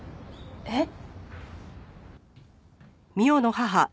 えっ？